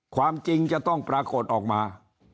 ความจริงจะต้องปรากฏออกมา